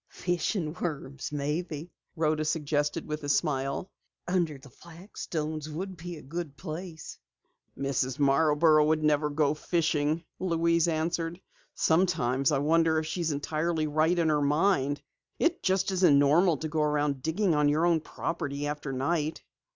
"Fishing worms, perhaps," Rhoda suggested with a smile. "Under the flagstones would be a good place." "Mrs. Marborough never would go fishing," Louise answered. "Sometimes I wonder if she's entirely right in her mind. It just isn't normal to go around digging on your own property after night."